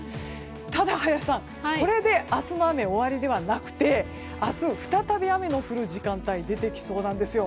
ただ、これで明日の雨は終わりではなくて明日、再び雨の降る時間帯が出てきそうなんですよ。